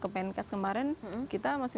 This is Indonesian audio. padahal itu sudah